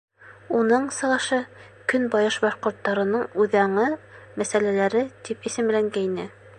Уның сығышы «Көнбайыш башҡорттарының үҙаңы мәсьәләләре» тип исемләнгәйне.